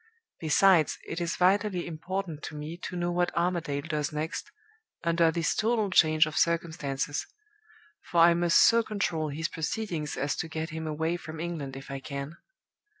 Besides, it is vitally important to me to know what Armadale does next, under this total change of circumstances for I must so control his proceedings as to get him away from England if I can.